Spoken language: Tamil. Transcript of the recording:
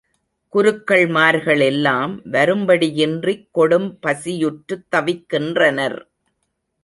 குருக்கள்மார்களெல்லாம் வரும்படி யின்றிக் கொடும் பசியுற்றுத் தவிக்கின்றனர்.